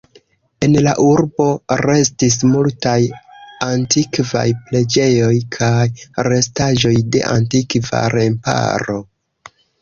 En la urbo restis multaj antikvaj preĝejoj kaj restaĵoj de antikva remparo.